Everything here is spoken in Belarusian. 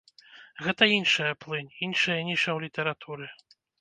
Гэта іншая плынь, іншая ніша ў літаратуры.